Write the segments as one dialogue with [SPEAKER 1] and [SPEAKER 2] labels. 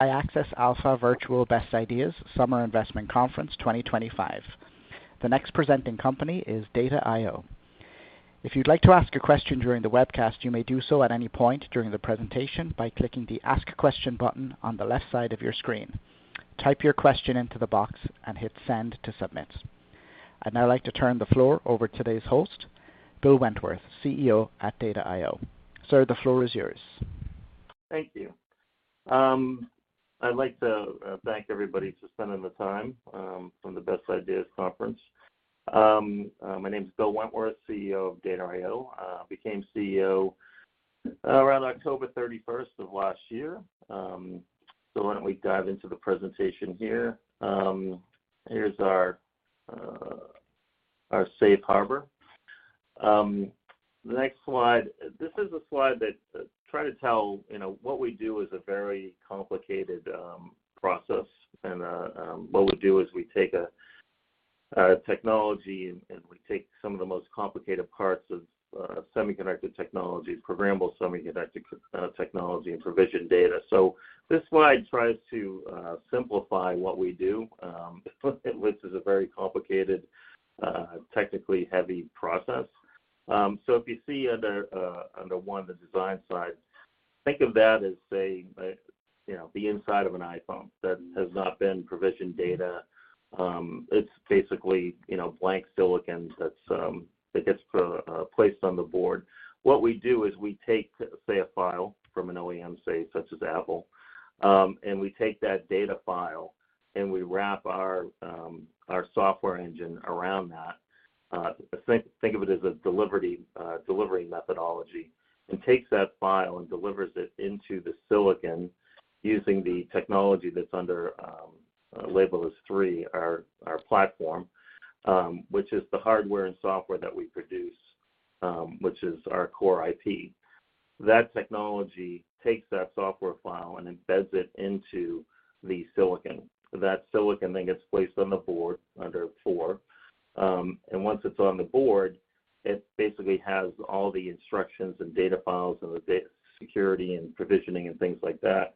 [SPEAKER 1] I access Alpha Virtual Best Ideas Summer Investment Conference 2025. The next presenting company is Data I/O. If you'd like to ask a question during the webcast, you may do so at any point during the presentation by clicking the ask question button on the left side of your screen. Type your question into the box and hit send to submit. I'd now like to turn the floor over to today's host, Bill Wentworth, CEO at Data I/O. Sir, the floor is yours.
[SPEAKER 2] Thank you. I'd like to thank everybody for spending the time from the Best Ideas Conference. My name is Bill Wentworth, CEO of Data I/O. I became CEO around October 31 of last year. Why don't we dive into the presentation here? Here's our safe harbor. The next slide, this is a slide that tries to tell what we do is a very complicated process. What we do is we take a technology and we take some of the most complicated parts of semiconductor technologies, programmable semiconductor technology, and provision data. This slide tries to simplify what we do, which is a very complicated, technically heavy process. If you see under one, the design side, think of that as, say, the inside of an iPhone that has not been provisioned data. It's basically blank silicon that gets placed on the board. What we do is we take, say, a file from an OEM, say, such as Apple, and we take that data file and we wrap our software engine around that. Think of it as a delivery methodology and it takes that file and delivers it into the silicon using the technology that's under label as three, our platform, which is the hardware and software that we produce, which is our core IP. That technology takes that software file and embeds it into the silicon. That silicon then gets placed on the board under four. Once it's on the board, it basically has all the instructions and data files and the security and provisioning and things like that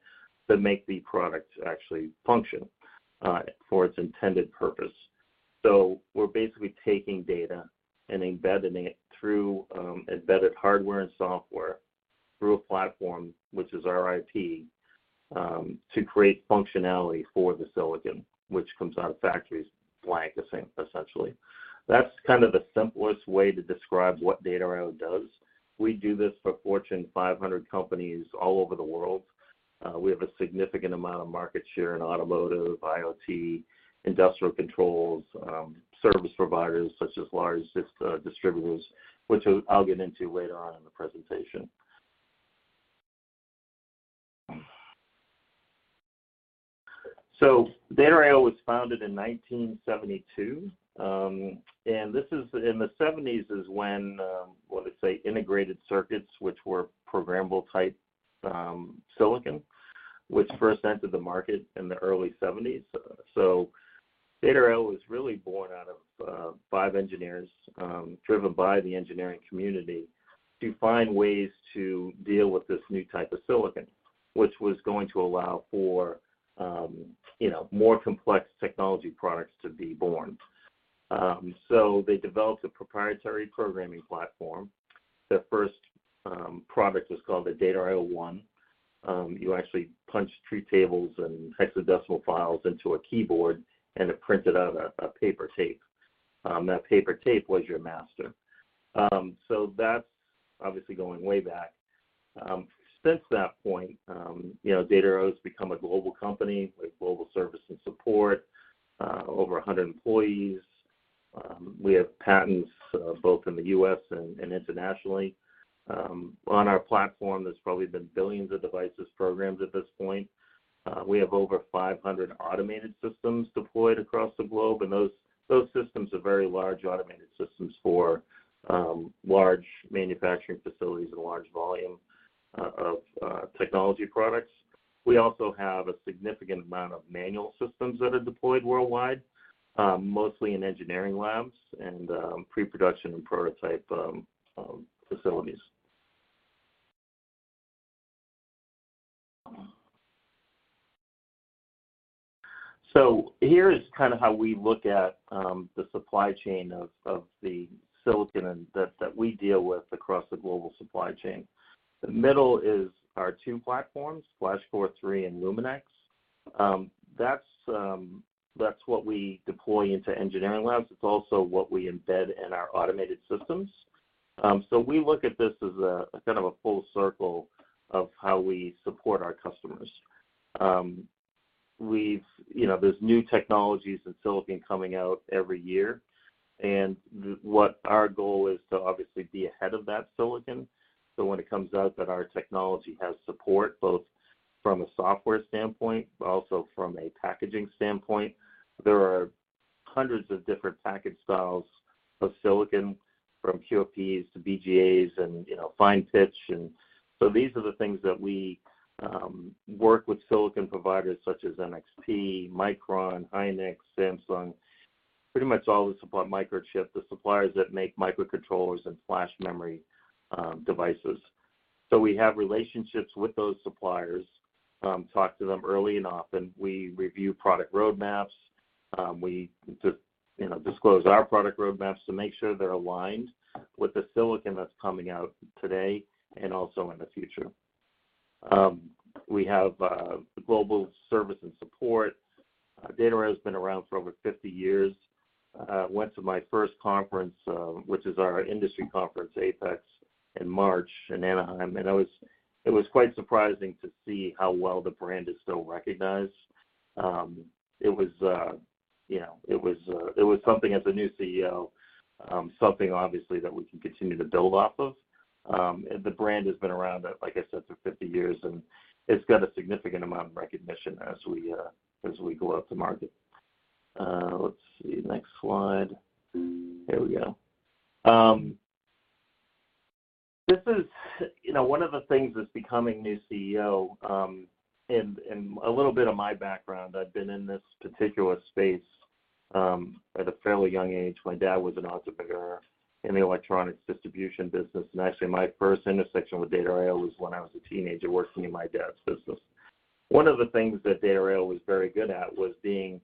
[SPEAKER 2] that make the product actually function for its intended purpose. We're basically taking data and embedding it through embedded hardware and software through a platform, which is our IP, to create functionality for the silicon, which comes out of factories blank, essentially. That's kind of the simplest way to describe what Data I/O does. We do this for Fortune 500 companies all over the world. We have a significant amount of market share in automotive, IoT, industrial controls, service providers such as large distributors, which I'll get into later on in the presentation. Data I/O was founded in 1972. This is in the 1970s, which is when, what I'd say, integrated circuits, which were programmable type silicon, first entered the market in the early 1970s. Data I/O was really born out of five engineers driven by the engineering community to find ways to deal with this new type of silicon, which was going to allow for more complex technology products to be born. They developed a proprietary programming platform. Their first product was called the Data I/O One. You actually punched three tables and hexadecimal files into a keyboard and it printed out a paper tape. That paper tape was your master. That is obviously going way back. Since that point, Data I/O has become a global company with global service and support, over 100 employees. We have patents both in the U.S. and internationally. On our platform, there have probably been billions of devices programmed at this point. We have over 500 automated systems deployed across the globe. Those systems are very large automated systems for large manufacturing facilities and large volume of technology products. We also have a significant amount of manual systems that are deployed worldwide, mostly in engineering labs and pre-production and prototype facilities. Here is kind of how we look at the supply chain of the silicon that we deal with across the global supply chain. The middle is our two platforms, FlashCORE III and Luminex. That is what we deploy into engineering labs. It is also what we embed in our automated systems. We look at this as kind of a full circle of how we support our customers. There are new technologies and silicon coming out every year. What our goal is to obviously be ahead of that silicon. When it comes out that our technology has support, both from a software standpoint, but also from a packaging standpoint, there are hundreds of different package styles of silicon from QFPs to BGAs and fine pitch. These are the things that we work with silicon providers such as NXP, Micron, Hynix, Samsung, pretty much all the supply microchip, the suppliers that make microcontrollers and flash memory devices. We have relationships with those suppliers, talk to them early and often. We review product roadmaps. We disclose our product roadmaps to make sure they're aligned with the silicon that's coming out today and also in the future. We have global service and support. Data I/O has been around for over 50 years. I went to my first conference, which is our industry conference, APEX, in March in Anaheim. It was quite surprising to see how well the brand is still recognized. It was something as a new CEO, something obviously that we can continue to build off of. The brand has been around, like I said, for 50 years, and it's got a significant amount of recognition as we go out to market. Let's see. Next slide. Here we go. This is one of the things that's becoming new CEO. A little bit of my background, I've been in this particular space at a fairly young age. My dad was an entrepreneur in the electronics distribution business. Actually, my first intersection with Data I/O was when I was a teenager working in my dad's business. One of the things that Data I/O was very good at was being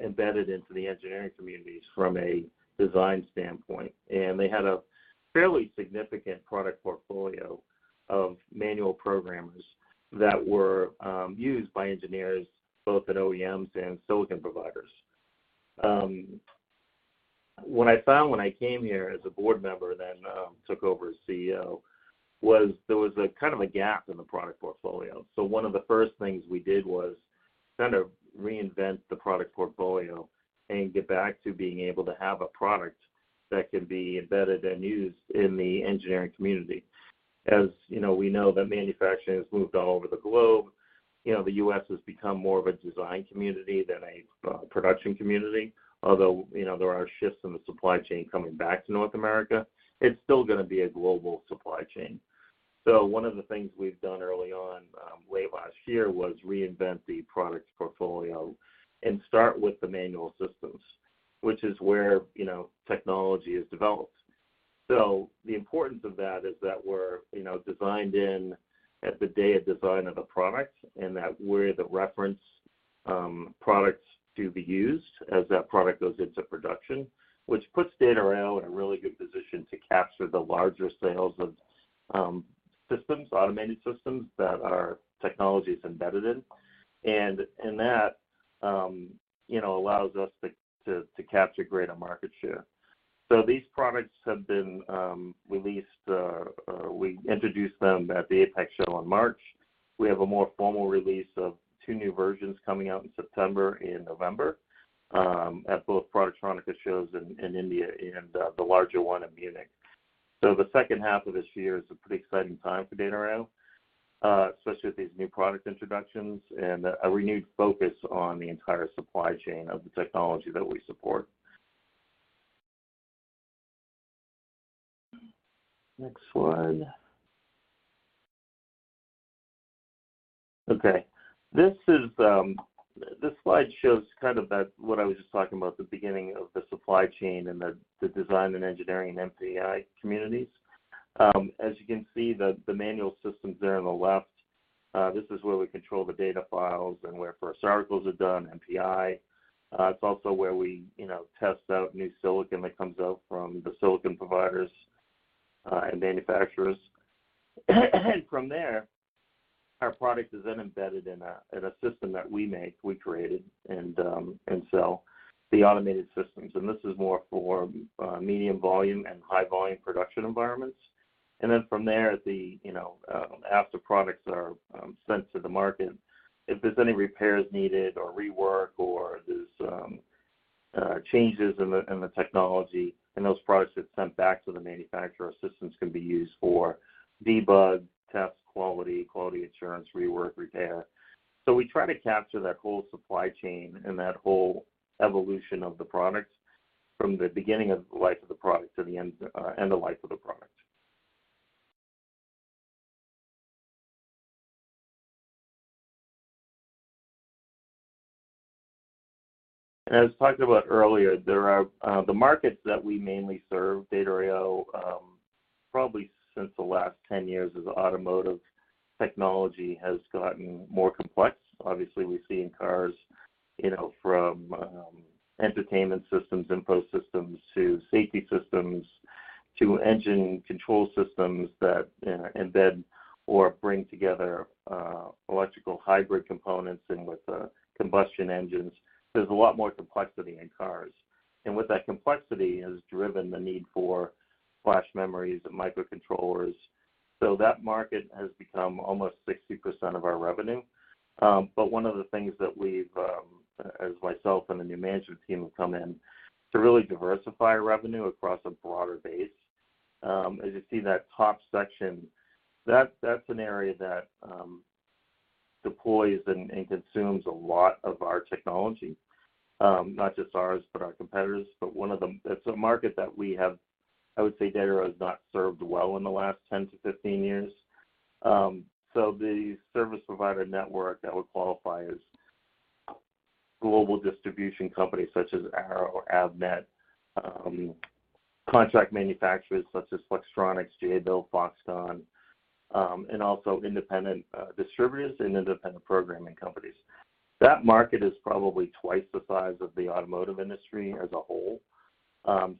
[SPEAKER 2] embedded into the engineering communities from a design standpoint. They had a fairly significant product portfolio of manual programmers that were used by engineers, both at OEMs and silicon providers. What I found when I came here as a board member and then took over as CEO was there was kind of a gap in the product portfolio. One of the first things we did was kind of reinvent the product portfolio and get back to being able to have a product that can be embedded and used in the engineering community. As we know, the manufacturing has moved all over the globe. The U.S. has become more of a design community than a production community. Although there are shifts in the supply chain coming back to North America, it is still going to be a global supply chain. One of the things we've done early on late last year was reinvent the product portfolio and start with the manual systems, which is where technology is developed. The importance of that is that we're designed in at the day of design of the product and that we're the reference products to be used as that product goes into production, which puts Data I/O in a really good position to capture the larger sales of systems, automated systems that our technology is embedded in. That allows us to capture greater market share. These products have been released. We introduced them at the APEX show in March. We have a more formal release of two new versions coming out in September and November at both Productronica shows in India and the larger one in Munich. The second half of this year is a pretty exciting time for Data I/O, especially with these new product introductions and a renewed focus on the entire supply chain of the technology that we support. Next slide. Okay. This slide shows kind of what I was just talking about, the beginning of the supply chain and the design and engineering and MPI communities. As you can see, the manual systems there on the left, this is where we control the data files and where first articles are done, MPI. It's also where we test out new silicon that comes out from the silicon providers and manufacturers. From there, our product is then embedded in a system that we make, we created, and sell the automated systems. This is more for medium volume and high volume production environments. From there, after products are sent to the market, if there's any repairs needed or rework or there's changes in the technology and those products get sent back to the manufacturer, systems can be used for debug, test quality, quality assurance, rework, repair. We try to capture that whole supply chain and that whole evolution of the product from the beginning of the life of the product to the end of life of the product. As talked about earlier, the markets that we mainly serve, Data I/O, probably since the last 10 years as automotive technology has gotten more complex. Obviously, we see in cars from entertainment systems, info systems, to safety systems, to engine control systems that embed or bring together electrical hybrid components and with combustion engines. There's a lot more complexity in cars. With that complexity has driven the need for flash memories and microcontrollers. That market has become almost 60% of our revenue. One of the things that we've, as myself and the new management team have come in, to really diversify revenue across a broader base. As you see that top section, that's an area that deploys and consumes a lot of our technology, not just ours, but our competitors. It's a market that we have, I would say Data I/O has not served well in the last 10years to 15 years. The service provider network that would qualify as global distribution companies such as Arrow, Avnet, contract manufacturers such as Flex, JBL, Foxconn, and also independent distributors and independent programming companies. That market is probably twice the size of the automotive industry as a whole.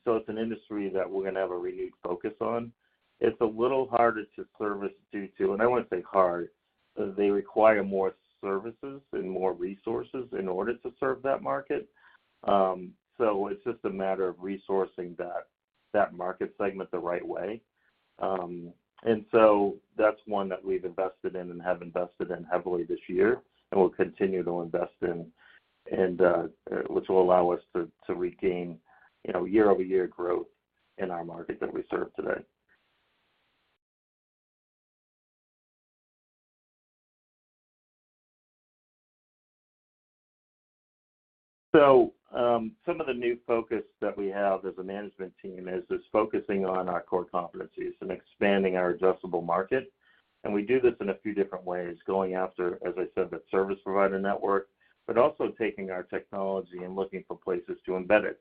[SPEAKER 2] It's an industry that we're going to have a renewed focus on. It's a little harder to service due to, and I won't say hard, they require more services and more resources in order to serve that market. It's just a matter of resourcing that market segment the right way. That's one that we've invested in and have invested in heavily this year and will continue to invest in, which will allow us to regain year-over-year growth in our market that we serve today. Some of the new focus that we have as a management team is focusing on our core competencies and expanding our adjustable market. We do this in a few different ways, going after, as I said, that service provider network, but also taking our technology and looking for places to embed it.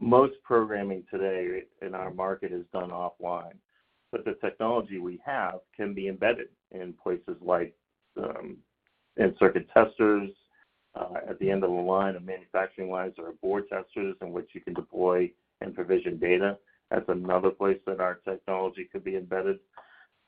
[SPEAKER 2] Most programming today in our market is done offline. But the technology we have can be embedded in places like circuit testers. At the end of the line and manufacturing lines are board testers in which you can deploy and provision data. That's another place that our technology could be embedded.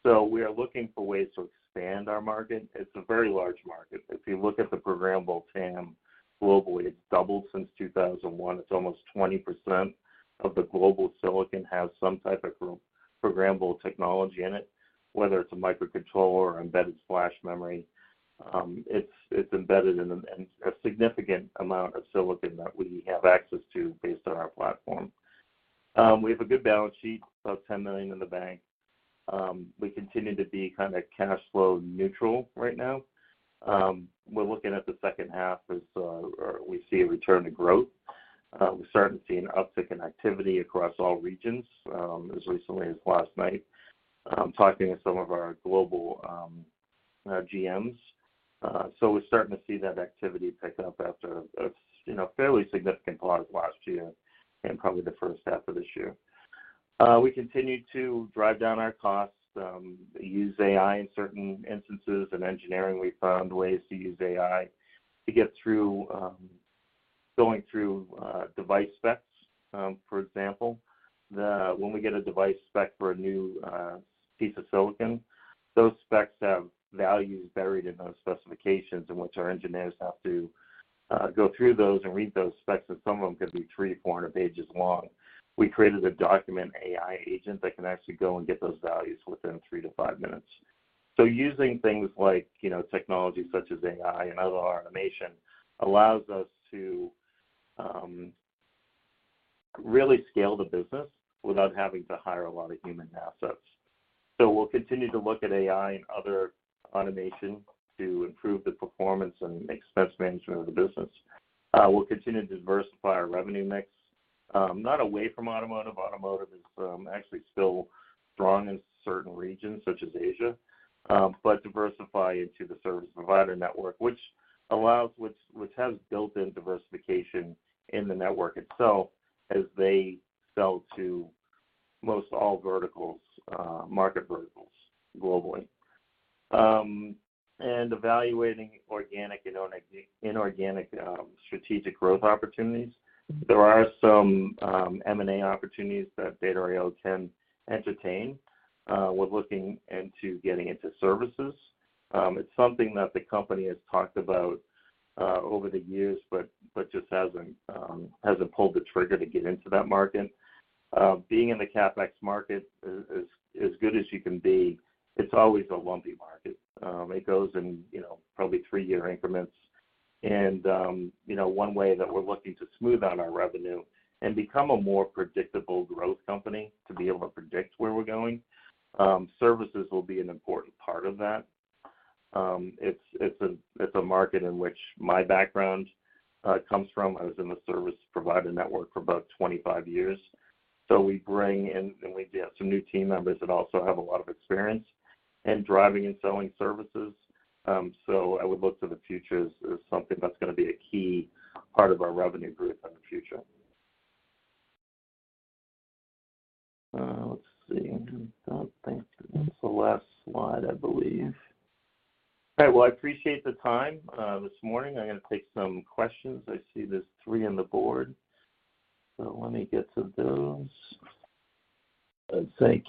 [SPEAKER 2] So we are looking for ways to expand our market. It's a very large market. If you look at the programmable TAM globally, it's doubled since 2001. It's almost 20% of the global silicon has some type of programmable technology in it, whether it's a microcontroller or embedded flash memory. It's embedded in a significant amount of silicon that we have access to based on our platform. We have a good balance sheet, about $10 million in the bank. We continue to be kind of cash flow neutral right now. We're looking at the second half as we see a return to growth. We're starting to see an uptick in activity across all regions, as recently as last night, talking to some of our global GMs. We're starting to see that activity pick up after a fairly significant part of last year and probably the first half of this year. We continue to drive down our costs, use AI in certain instances. In engineering, we found ways to use AI to get through going through device specs. For example, when we get a device spec for a new piece of silicon, those specs have values buried in those specifications in which our engineers have to go through those and read those specs. Some of them could be 300 pages 400 pages long. We created a document AI agent that can actually go and get those values within three to five minutes. Using things like technology such as AI and other automation allows us to really scale the business without having to hire a lot of human assets. We will continue to look at AI and other automation to improve the performance and expense management of the business. We will continue to diversify our revenue mix, not away from automotive. Automotive is actually still strong in certain regions such as Asia, but diversify into the service provider network, which has built-in diversification in the network itself as they sell to most all verticals, market verticals globally. Evaluating organic and inorganic strategic growth opportunities. There are some M&A opportunities that Data I/O can entertain. We are looking into getting into services. It's something that the company has talked about over the years, but just hasn't pulled the trigger to get into that market. Being in the CapEx market, as good as you can be, it's always a lumpy market. It goes in probably three-year increments. One way that we're looking to smooth out our revenue and become a more predictable growth company to be able to predict where we're going, services will be an important part of that. It's a market in which my background comes from. I was in the service provider network for about 25 years. We bring in and we have some new team members that also have a lot of experience in driving and selling services. I would look to the future as something that's going to be a key part of our revenue growth in the future. Let's see. I don't think that's the last slide, I believe. All right. I appreciate the time this morning. I'm going to take some questions. I see there's three on the board. Let me get to those. Let's see.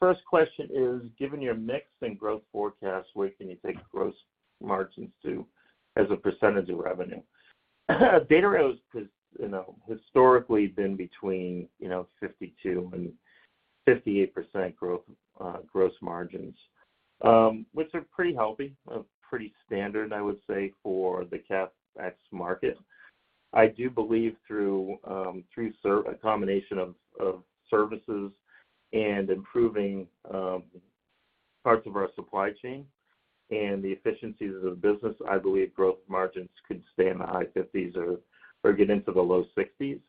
[SPEAKER 2] First question is, given your mix and growth forecast, where can you take gross margins to as a percentage of revenue? Data I/O has historically been between 52% and 58% gross margins, which are pretty healthy, pretty standard, I would say, for the CapEx market. I do believe through a combination of services and improving parts of our supply chain and the efficiencies of the business, I believe gross margins could stay in the high 50s or get into the low 60s.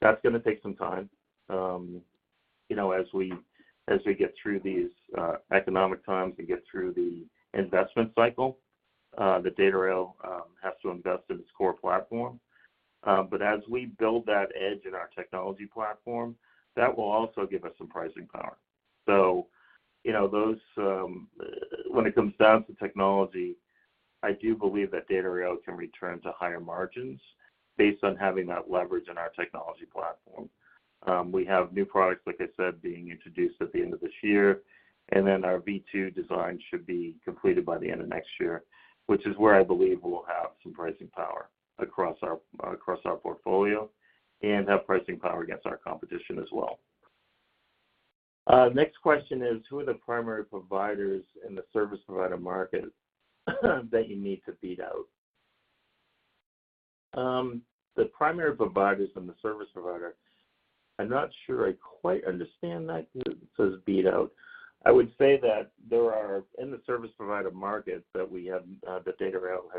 [SPEAKER 2] That's going to take some time as we get through these economic times and get through the investment cycle. Data I/O has to invest in its core platform. As we build that edge in our technology platform, that will also give us some pricing power. When it comes down to technology, I do believe that Data I/O can return to higher margins based on having that leverage in our technology platform. We have new products, like I said, being introduced at the end of this year. Our V2 design should be completed by the end of next year, which is where I believe we'll have some pricing power across our portfolio and have pricing power against our competition as well. Next question is, who are the primary providers in the service provider market that you need to beat out? The primary providers in the service provider, I'm not sure I quite understand that it says beat out. I would say that there are in the service provider market that we have that Data I/O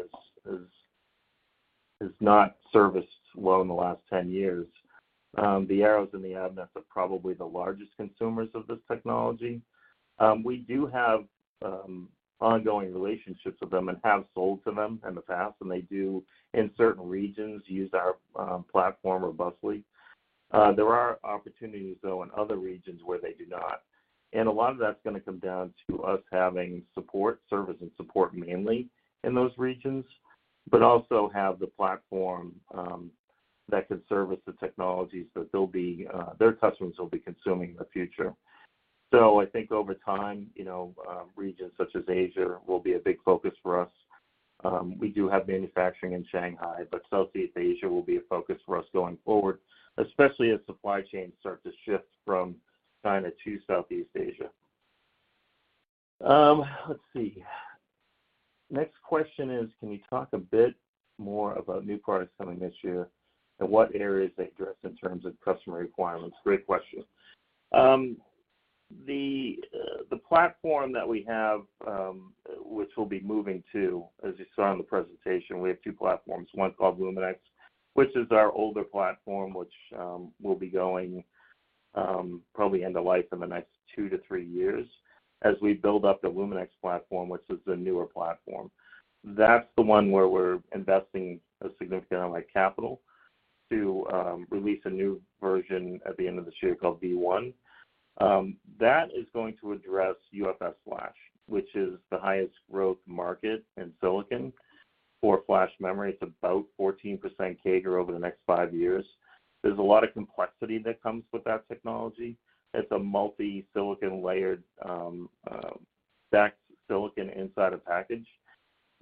[SPEAKER 2] has not serviced well in the last 10 years. The Arrows and the Avnets are probably the largest consumers of this technology. We do have ongoing relationships with them and have sold to them in the past. They do, in certain regions, use our platform robustly. There are opportunities, though, in other regions where they do not. A lot of that's going to come down to us having support, service and support mainly in those regions, but also have the platform that can service the technologies that their customers will be consuming in the future. I think over time, regions such as Asia will be a big focus for us. We do have manufacturing in Shanghai, but Southeast Asia will be a focus for us going forward, especially as supply chains start to shift from China to Southeast Asia. Let's see. Next question is, can we talk a bit more about new products coming this year and what areas they address in terms of customer requirements? Great question. The platform that we have, which we'll be moving to, as you saw in the presentation, we have two platforms. One's called LumenX, which is our older platform, which will be going probably into life in the next two to three years as we build up the LumenX platform, which is the newer platform. That's the one where we're investing a significant amount of capital to release a new version at the end of this year called V1. That is going to address UFS Flash, which is the highest growth market in silicon for flash memory. It's about 14% CAGR over the next five years. There's a lot of complexity that comes with that technology. It's a multi-silicon layered stacked silicon inside a package.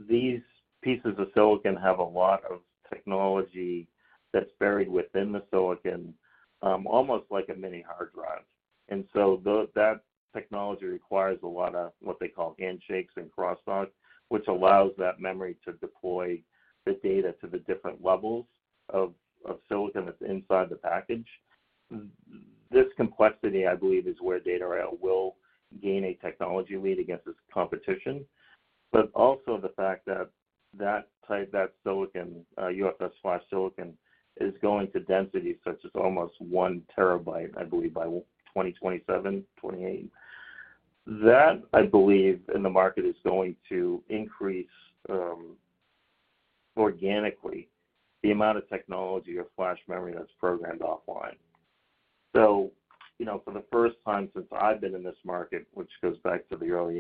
[SPEAKER 2] These pieces of silicon have a lot of technology that's buried within the silicon, almost like a mini hard drive. That technology requires a lot of what they call handshakes and cross-talk, which allows that memory to deploy the data to the different levels of silicon that's inside the package. This complexity, I believe, is where Data I/O will gain a technology lead against its competition. Also, the fact that that silicon, UFS Flash silicon, is going to densities such as almost one terabyte, I believe, by 2027, 2028. That, I believe, in the market is going to increase organically the amount of technology or flash memory that's programmed offline. For the first time since I've been in this market, which goes back to the early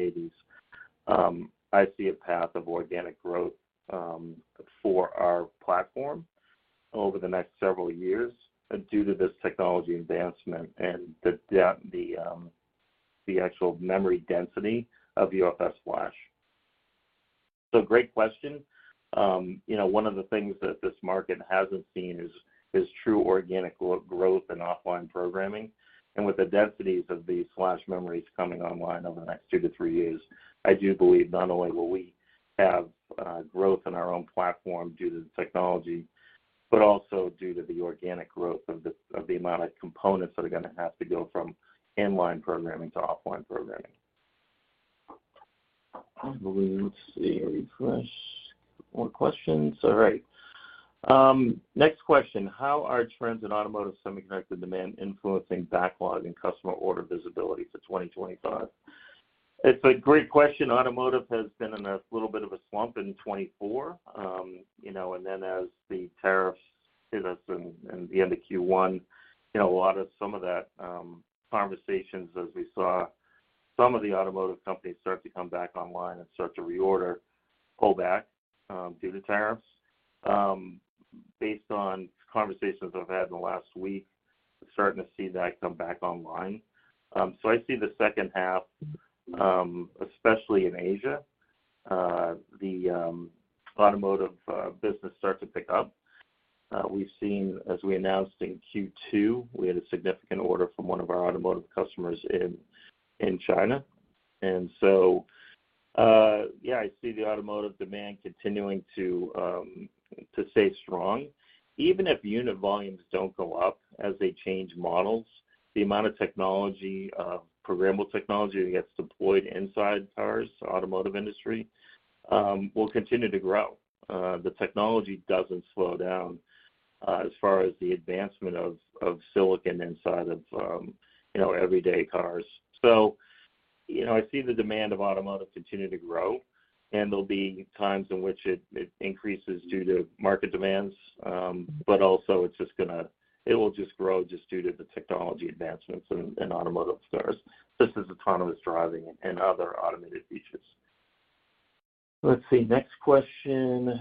[SPEAKER 2] 1980s, I see a path of organic growth for our platform over the next several years due to this technology advancement and the actual memory density of UFS Flash. Great question. One of the things that this market hasn't seen is true organic growth in offline programming. With the densities of these flash memories coming online over the next two to three years, I do believe not only will we have growth in our own platform due to the technology, but also due to the organic growth of the amount of components that are going to have to go from inline programming to offline programming. Let's see. Refresh. More questions. All right. Next question. How are trends in automotive semiconductor demand influencing backlog and customer order visibility for 2025? It's a great question. Automotive has been in a little bit of a slump in 2024. As the tariffs hit us at the end of Q1, a lot of some of that conversations, as we saw, some of the automotive companies start to come back online and start to reorder, pull back due to tariffs. Based on conversations I've had in the last week, we're starting to see that come back online. I see the second half, especially in Asia, the automotive business starts to pick up. We've seen, as we announced in Q2, we had a significant order from one of our automotive customers in China. I see the automotive demand continuing to stay strong. Even if unit volumes don't go up as they change models, the amount of technology, programmable technology that gets deployed inside cars, automotive industry, will continue to grow. The technology doesn't slow down as far as the advancement of silicon inside of everyday cars. I see the demand of automotive continue to grow. There'll be times in which it increases due to market demands. It's just going to it will just grow just due to the technology advancements in automotive cars, such as autonomous driving and other automated features. Let's see. Next question.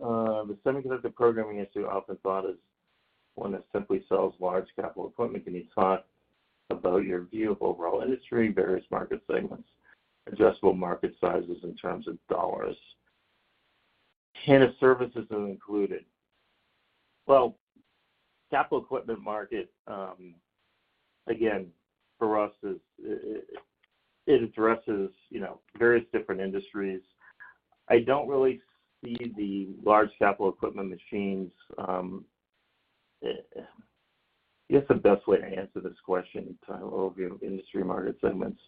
[SPEAKER 2] The semiconductor programming issue often thought is one that simply sells large capital equipment. Can you talk about your view of overall industry, various market segments, adjustable market sizes in terms of dollars? And if services are included? Capital equipment market, again, for us, it addresses various different industries. I don't really see the large capital equipment machines. Guess the best way to answer this question in terms of industry market segments,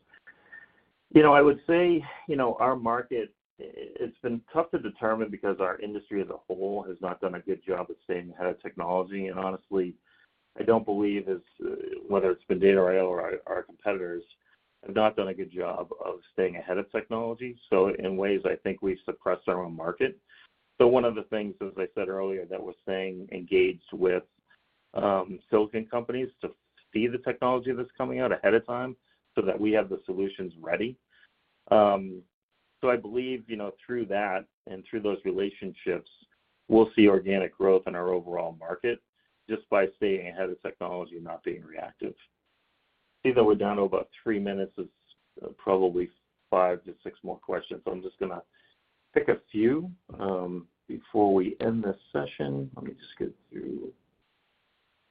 [SPEAKER 2] I would say our market, it's been tough to determine because our industry as a whole has not done a good job of staying ahead of technology. And honestly, I don't believe whether it's been Data I/O or our competitors have not done a good job of staying ahead of technology. In ways, I think we've suppressed our own market. One of the things, as I said earlier, that we're staying engaged with silicon companies to see the technology that's coming out ahead of time so that we have the solutions ready. I believe through that and through those relationships, we'll see organic growth in our overall market just by staying ahead of technology and not being reactive. I see that we're down to about three minutes. There's probably five to six more questions. I'm just going to pick a few before we end this session. Let me just get through.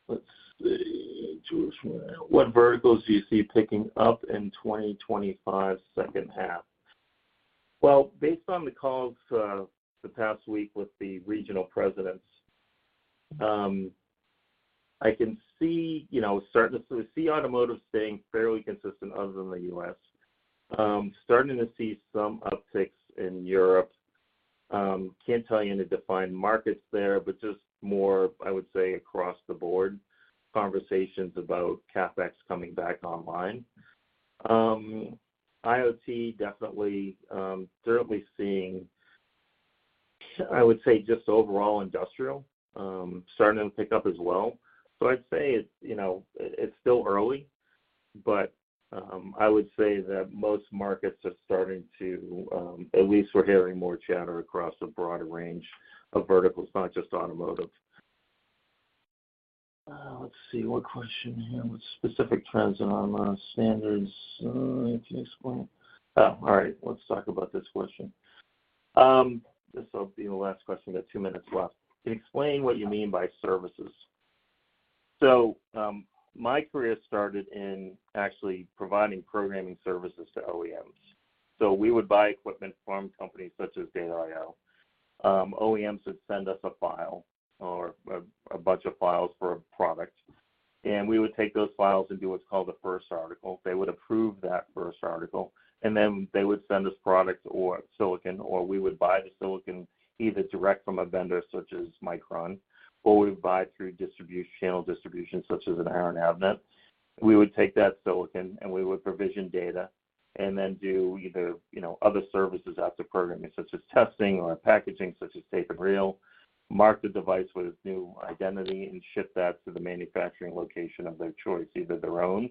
[SPEAKER 2] Let's see. What verticals do you see picking up in 2025, second half? Based on the calls the past week with the regional presidents, I can see starting to see automotive staying fairly consistent other than the U.S. Starting to see some upticks in Europe. Can't tell you any defined markets there, but just more, I would say, across the board conversations about CapEx coming back online. IoT, definitely. Certainly seeing, I would say, just overall industrial starting to pick up as well. I'd say it's still early, but I would say that most markets are starting to, at least we're hearing more chatter across a broader range of verticals, not just automotive. Let's see. What question here? What specific trends in automotive standards? Can you explain? Oh, all right. Let's talk about this question. This will be the last question. We've got two minutes left. Can you explain what you mean by services? So my career started in actually providing programming services to OEMs. We would buy equipment from companies such as Data I/O. OEMs would send us a file or a bunch of files for a product. We would take those files and do what's called a first article. They would approve that first article. Then they would send us product or silicon, or we would buy the silicon either direct from a vendor such as Micron, or we would buy through channel distribution such as an Arrow and Avnet. We would take that silicon, and we would provision data and then do either other services after programming such as testing or packaging such as tape and reel, mark the device with its new identity, and ship that to the manufacturing location of their choice, either their own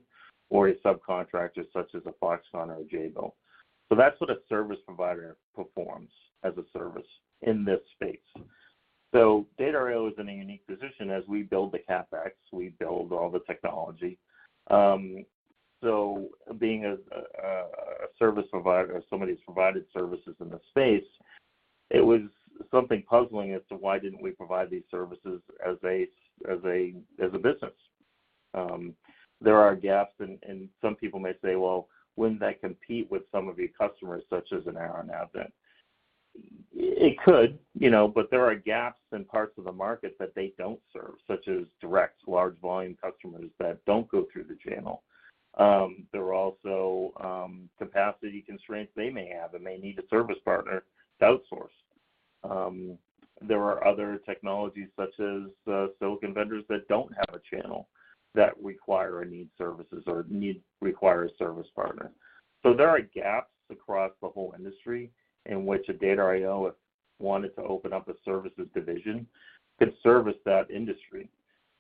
[SPEAKER 2] or a subcontractor such as a Foxconn or a Jabil. That is what a service provider performs as a service in this space. Data I/O is in a unique position as we build the CapEx. We build all the technology. Being a service provider, somebody who's provided services in the space, it was something puzzling as to why didn't we provide these services as a business. There are gaps. Some people may say, "Well, wouldn't that compete with some of your customers such as an Arrow and Avnet?" It could. There are gaps in parts of the market that they do not serve, such as direct large volume customers that do not go through the channel. There are also capacity constraints they may have, and they need a service partner to outsource. There are other technologies such as silicon vendors that do not have a channel that require and need services or require a service partner. There are gaps across the whole industry in which Data I/O, if wanted to open up a services division, could service that industry.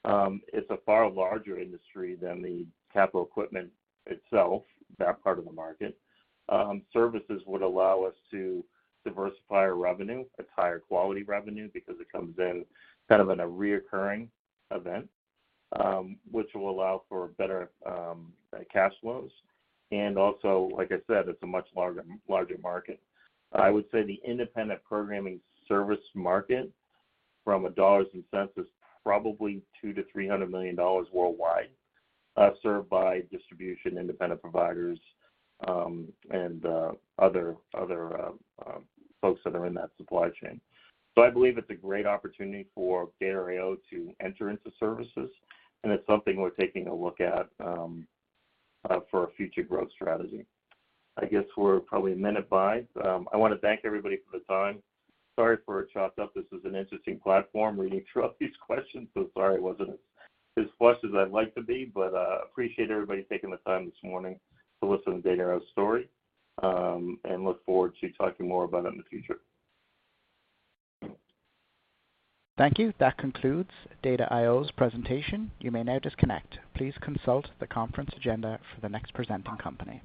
[SPEAKER 2] It is a far larger industry than the capital equipment itself, that part of the market. Services would allow us to diversify our revenue, attire quality revenue because it comes in kind of in a reoccurring event, which will allow for better cash flows. Also, like I said, it is a much larger market. I would say the independent programming service market from a dollars and cents is probably $200 million-$300 million worldwide, served by distribution independent providers and other folks that are in that supply chain. I believe it's a great opportunity for Data I/O to enter into services. It's something we're taking a look at for a future growth strategy. I guess we're probably a minute by. I want to thank everybody for the time. Sorry for a chopped up. This was an interesting platform reading through all these questions. Sorry I wasn't as flush as I'd like to be, but appreciate everybody taking the time this morning to listen to Data I/O's story and look forward to talking more about it in the future.
[SPEAKER 1] Thank you. That concludes Data I/O's presentation. You may now disconnect. Please consult the conference agenda for the next presenting company.